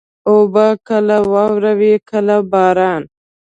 اوبه کله واوره وي، کله باران.